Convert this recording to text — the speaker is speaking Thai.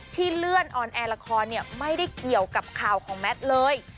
เลื่อนออนแอร์ละครเนี่ยไม่ได้เกี่ยวกับข่าวของแมทเลย